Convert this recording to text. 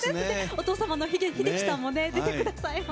お父様の英樹さんも出てくださいました。